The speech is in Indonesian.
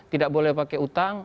tidak boleh pakai utang